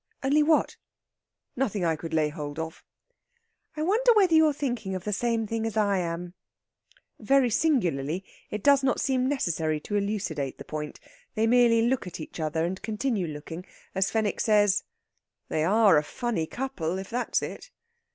"Only what?" "Nothing I could lay hold of." "I wonder whether you're thinking of the same thing as I am?" Very singularly, it does not seem necessary to elucidate the point. They merely look at each other, and continue looking as Fenwick says: "They are a funny couple, if that's it!"